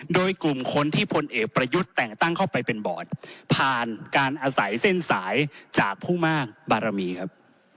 โดยกลุ่มคนที่พลเอกประยุทธ์แต่งตั้งเข้าไปเป็นบอร์ดผ่านการอาศัยเส้นสายจากผู้มากบารมีครับ